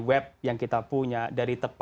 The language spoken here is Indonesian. web yang kita punya dari